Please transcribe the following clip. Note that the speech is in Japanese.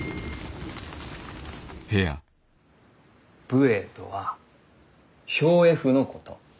武衛とは兵衛府のこと。